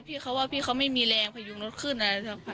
ที่เขาว่าพี่เขาไม่มีแรงพยุงรถขึ้นอะไรสักพัก